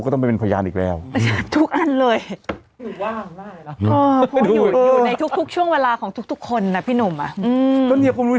แต่ก็จะไปดู